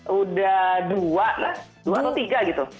sudah dua atau tiga gitu